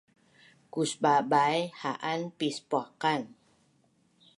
kusbabai ha’an pispuaqan